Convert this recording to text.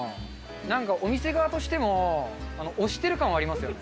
なんかお店側としても、押してる感はありますよね。